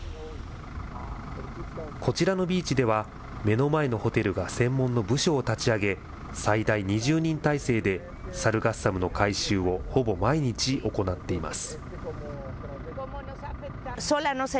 こちらのビーチでは、目の前のホテルが専門の部署を立ち上げ、最大２０人態勢でサルガッサムの回収をほぼ毎日行っています。